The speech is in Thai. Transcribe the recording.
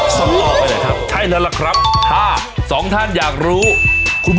สำรวจได้เลยครับ